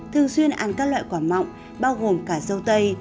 thường xuyên ăn các loại quả mọng bao gồm cả dâu tây